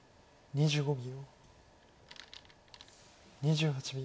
２５秒。